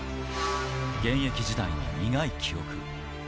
現役時代の苦い記憶。